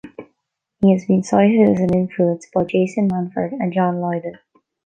He has been cited as an influence by Jason Manford and John Lydon.